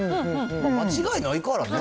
間違いないからね。